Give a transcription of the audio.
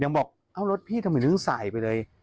ยังบอกเอ้ารถพี่กำลังลื้นสายไปเลย